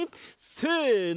せの。